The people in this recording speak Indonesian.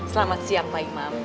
selamat siang pak imam